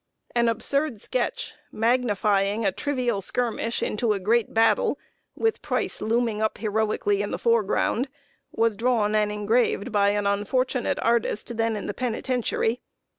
An absurd sketch, magnifying a trivial skirmish into a great battle, with Price looming up heroically in the foreground, was drawn and engraved by an unfortunate artist, then in the Penitentiary.